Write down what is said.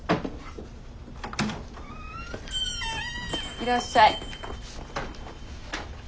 いらっしゃい。